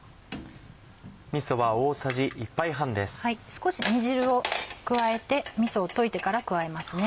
少し煮汁を加えてみそを溶いてから加えますね。